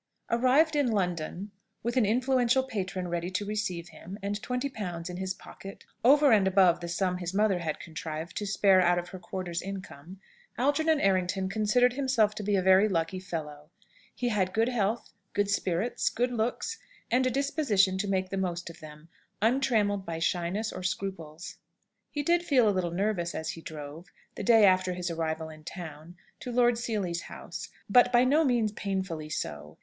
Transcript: Arrived in London, with an influential patron ready to receive him, and twenty pounds in his pocket, over and above the sum his mother had contrived to spare out of her quarter's income, Algernon Errington considered himself to be a very lucky fellow. He had good health, good spirits, good looks, and a disposition to make the most of them, untrammelled by shyness or scruples. He did feel a little nervous as he drove, the day after his arrival in town, to Lord Seely's house, but by no means painfully so.